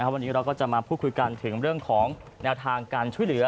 วันนี้เราก็จะมาพูดคุยกันถึงเรื่องของแนวทางการช่วยเหลือ